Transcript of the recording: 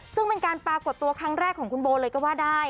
ซึ่งเป็นการปรากฏตัวครั้งแรกของคุณโบเลยก็ว่าได้